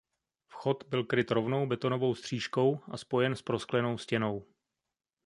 Vchod byl kryt rovnou betonovou stříškou a spojen s prosklenou stěnou.